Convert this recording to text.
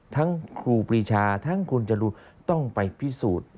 ครูปรีชาทั้งคุณจรูนต้องไปพิสูจน์